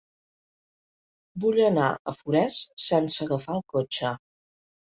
Vull anar a Forès sense agafar el cotxe.